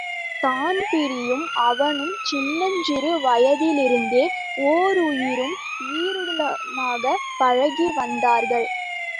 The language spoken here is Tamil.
தான்பிரீனும் அவனும் சின்னஞ்சிறு வயதிலிருந்தே ஓருயிரும் ஈருடலுமாகப் பழகிவந்தார்கள்.